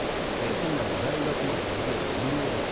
フィンランド大学まで授業料無料です。